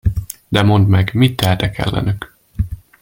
De mondd meg, mit tehetek ellenük?